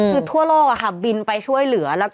พื้นทั่วโลกอะค่ะบินไปช่วยเหลือ